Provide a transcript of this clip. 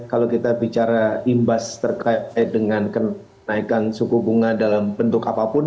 kalau kita bicara imbas terkait dengan kenaikan suku bunga dalam bentuk apapun